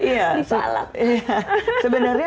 sebenarnya memang kita berencana suatu hal